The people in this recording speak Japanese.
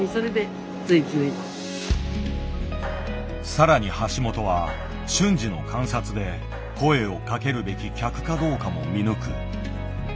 さらに橋本は瞬時の観察で声をかけるべき客かどうかも見抜く。